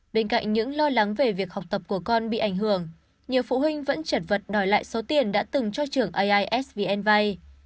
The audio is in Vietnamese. bên cạnh những lo lắng về việc học tập của con bị ảnh hưởng nhiều phụ huynh vẫn chật vật đòi lại số tiền đã từng cho trường aisvn vay